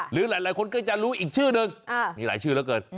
หรือหลายคนก็จะรู้อีกชื่อนึงมีหลายชื่อเหลือเกิน